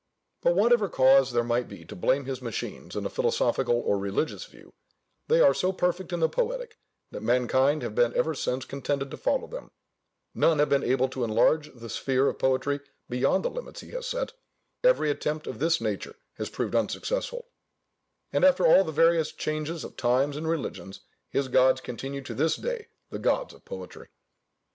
But whatever cause there might be to blame his machines in a philosophical or religious view, they are so perfect in the poetic, that mankind have been ever since contented to follow them: none have been able to enlarge the sphere of poetry beyond the limits he has set: every attempt of this nature has proved unsuccessful; and after all the various changes of times and religions, his gods continue to this day the gods of poetry.